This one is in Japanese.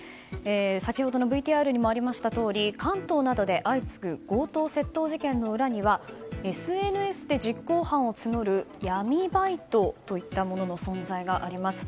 先ほどのＶＴＲにもありましたように関東などで相次ぐ強盗殺人事件の裏にはＳＮＳで実行犯を募る闇バイトといったものの存在があります。